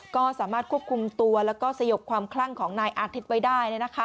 ก็สามารถควบคุมตัวแล้วก็สยบความคลั่งของนายอาทิตย์ไว้ได้